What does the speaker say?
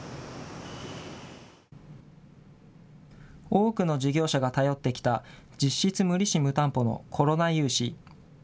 多くの事業者が頼ってきた実質無利子・無担保のコロナ融資。